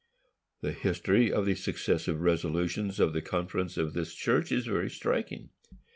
The history of the successive resolutions of the conference of this church is very striking.